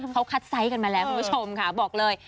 เขาคัดไซส์กันมาแล้วคุณผู้ชมค่ะบอกเลย